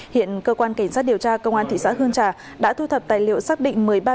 hiện cơ quan cảnh sát điều tra công an thị xã hương trà đã thu thập tài liệu xác định